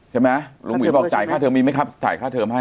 ใช่ไหมลุงหวินบอกจ่ายค่าเทอมมีไหมครับจ่ายค่าเทอมให้